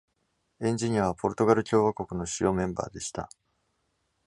エンジニアは、ポルトガル共和国の主要メンバーでした。